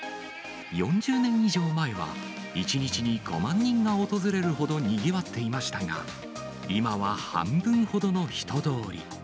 ４０年以上前は、１日に５万人が訪れるほどにぎわっていましたが、今は半分ほどの人通り。